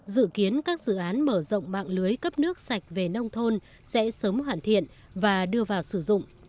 dự kiến các dự án mở rộng mạng lưới cấp nước sạch về nông thôn sẽ sớm hoàn thiện và đưa vào sử dụng